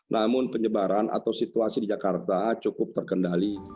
namun penyebaran atau situasi di jakarta cukup terkendali